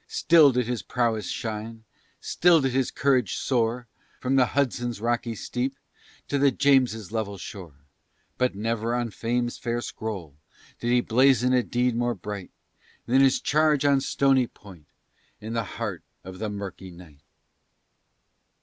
Still did his prowess shine, still did his courage soar, From the Hudson's rocky steep to the James's level shore; But never on Fame's fair scroll did he blazon a deed more bright Than his charge on Stony Point in the heart of the murky night.